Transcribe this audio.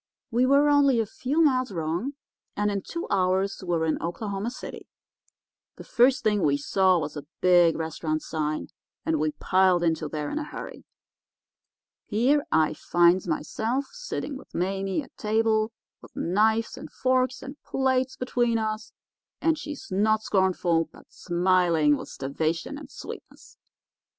We were only a few miles wrong, and in two hours we were in Oklahoma City. The first thing we saw was a big restaurant sign, and we piled into there in a hurry. Here I finds myself sitting with Mame at table, with knives and forks and plates between us, and she not scornful, but smiling with starvation and sweetness.